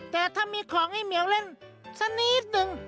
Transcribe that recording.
แต่ถ้ามีของให้เหมียวเล่นสักนิดนึง